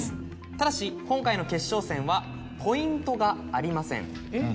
ただし今回の決勝戦はポイントがありません。